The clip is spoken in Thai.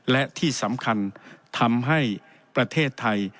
และที่สำคัญทำให้ประเทศไทย